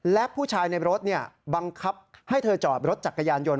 และผู้ชายในรถบังคับให้เธอจอดรถจักรยานยนต